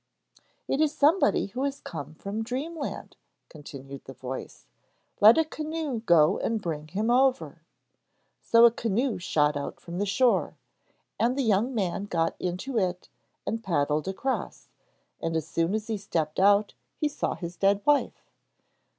'It is somebody who has come from dreamland,' continued the voice. 'Let a canoe go and bring him over.' So a canoe shot out from the shore, and the young man got into it and was paddled across, and as soon as he stepped out he saw his dead wife.